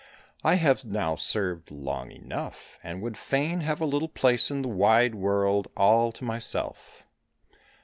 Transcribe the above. I have now served long enough, and would fain have a Httle place in the wide world all to myself."